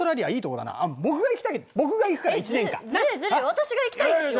私が行きたいんですよ。